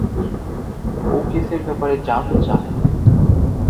ও কেসের ব্যাপারে জান চায়।